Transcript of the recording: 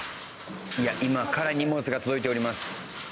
いや今から荷物が届いております。